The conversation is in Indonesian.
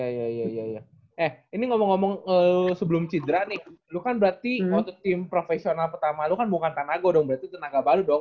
iya iya iya iya eh ini ngomong ngomong sebelum cidera nih lu kan berarti waktu tim profesional pertama lu kan bukan tanago dong berarti itu tenaga baru dong